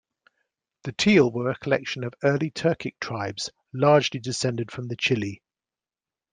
The Tiele were a collection of early Turkic tribes, largely descended from the Chile.